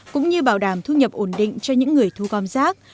cũng như bảo đảm thu nhập ổn định cho những người thu gom rác